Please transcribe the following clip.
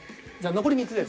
残り２つです。